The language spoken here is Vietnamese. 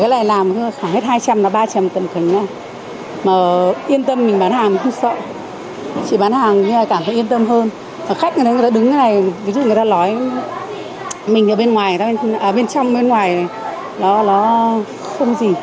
đứng như thế này ví dụ người ta nói mình ở bên trong bên ngoài nó không gì